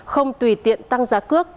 không tùy tiện tăng giá cước